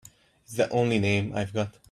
It's the only name I've got.